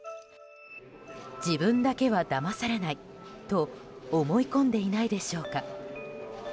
自分だけはだまされないと思い込んでいないでしょうか。